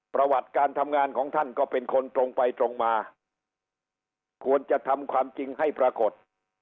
ประวัติการทำงานของท่านก็เป็นคนตรงไปตรงมาควรจะทำความจริงให้ปรากฏ